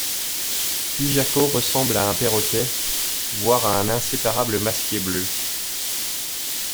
Pijako ressemble à un perroquet, voire à un inséparable masqué bleu.